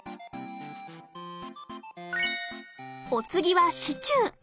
お次はシチュー。